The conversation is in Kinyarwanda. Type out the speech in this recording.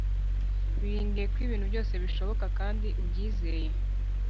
wiringiye ko ibintu byose bishoboka kandi ubyizeye.